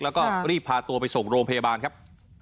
แล้วก็รีบพาตัวไปส่งโรงพยาบาลครับ